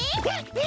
え？